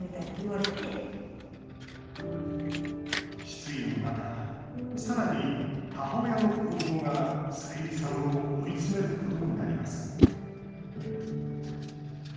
失意の中、さらに母親の行動がさゆりさんを追い詰めることになります。